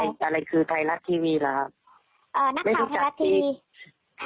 อะไรอะไรคือไทยรัฐทีวีแล้วเอ่อนักข่าวไทยรัฐทีวีค่ะ